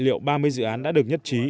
liệu ba mươi dự án đã được nhất trí